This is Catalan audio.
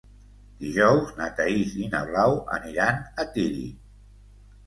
Dijous na Thaís i na Blau aniran a Tírig.